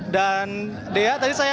dan dea tadi saya